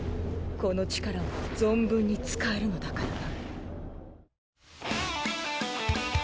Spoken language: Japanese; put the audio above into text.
この魔力を存分に使えるのだからな。